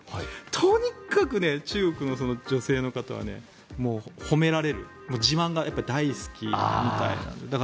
とにかく中国の女性の方は褒められる自慢が大好きみたいなんです。